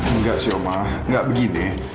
enggak sih oma gak begini